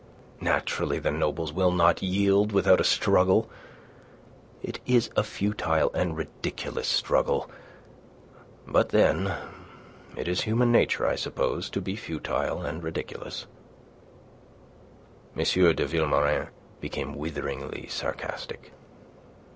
Naturally the nobles will not yield without a struggle. It is a futile and ridiculous struggle but then... it is human nature, I suppose, to be futile and ridiculous." M. de Vilmorin became witheringly sarcastic.